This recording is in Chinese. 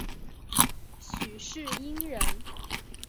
许世英人。